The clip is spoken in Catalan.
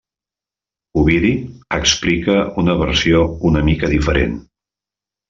Ovidi explica una versió una mica diferent.